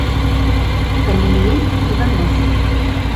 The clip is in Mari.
Фамилием Иванов.